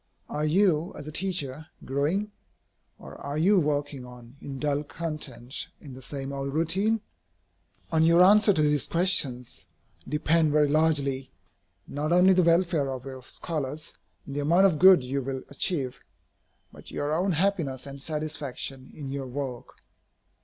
Are you, as a teacher, growing? or are you working on in dull content in the same old routine? On your answer to these questions depend very largely, not only the welfare of your scholars and the amount of good you will achieve, but your own happiness and satisfaction in your work.